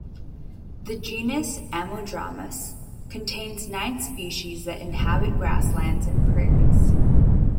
The genus "Ammodramus" contains nine species that inhabit grasslands and prairies.